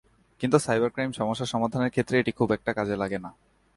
কিন্তু cyber crime সমস্যা সমাধানের ক্ষেত্রে এটি খুব একটা কাজে লাগছে না।